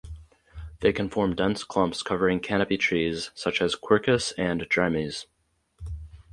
They can form dense clumps covering canopy trees such as "Quercus" and "Drimys".